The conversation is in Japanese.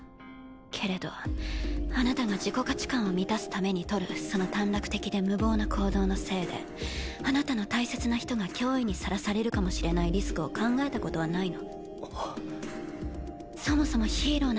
けれどあなたが自己価値観を満たすためにとるその短絡的で無謀な行動のせいであなたの大切な人が脅威にさらされるかもしれないリスクを考えたことはないの？